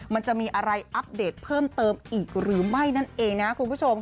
มันจะมีอะไรอัปเดตเพิ่มเติมอีกหรือไม่นั่นเองนะคุณผู้ชม